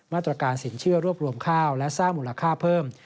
ตรสินเชื่อรวบรวมข้าวและสร้างมูลค่าเพิ่ม